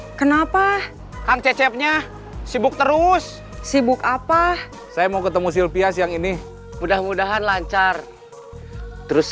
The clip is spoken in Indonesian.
hai kenapa kang cecepnya sibuk terus sibuk apa saya mau ketemu silvia siang ini mudah mudahan lancar terus